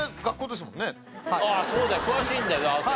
ああそうだよ詳しいんだよな亜生は。